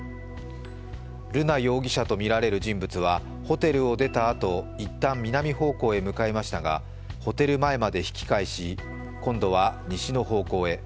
瑠奈容疑者とみられる人物はホテルを出たあと一旦、南方向へ向かいましたがホテル前まで引き返し、今度は西の方向へ。